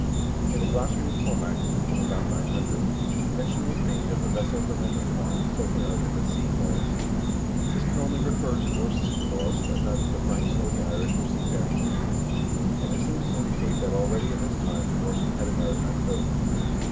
In the glossary of Cormac, from about 900, mention is made of a vessel for measuring wine, spoken of in the " sea laws." This can only refer to Norse sea laws, as neither the Franks nor the Irish were seafaring nations, and it seems to indi cate that already at this time the Norsemen had a maritime code.